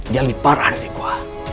dia lebih parah dari gua